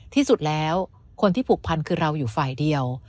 ที่สุดแล้วคนที่ผูกพันคือเราอยู่ฝ่ายเดียว